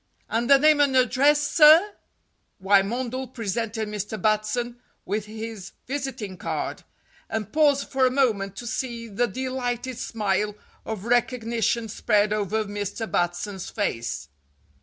And the name and address, sir?" Wymondel presented Mr. Batson with his visiting card, and paused for a moment to see the delighted smile of recognition spread over Mr. Batson's face.